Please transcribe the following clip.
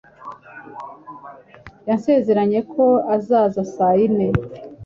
Yansezeranije ko azaza saa yine.